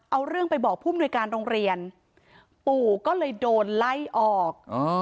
เอาเรื่องไปบอกผู้มนุยการโรงเรียนปู่ก็เลยโดนไล่ออก